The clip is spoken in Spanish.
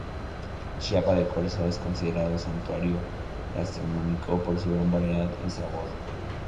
Chiapa de Corzo es considerado santuario gastronómico por su gran variedad y sabor.